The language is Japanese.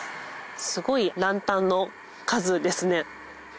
すごいランタンの数ですね。